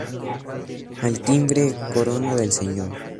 Al timbre, corona del Señor.